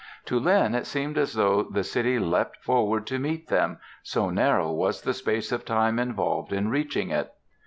To Lin it seemed as though the city leapt forward to meet them, so narrow was the space of time involved in reaching it.